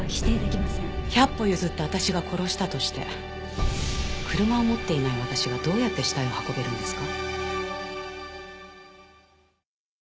百歩譲って私が殺したとして車を持っていない私がどうやって死体を運べるんですか？